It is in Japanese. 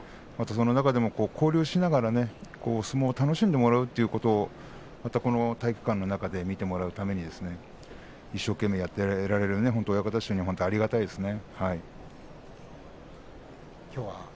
その中でも交流しながら相撲を楽しんでもらうということまたこの体育館の中で見てもらうために一生懸命やっていられる親方衆ありがたいですね。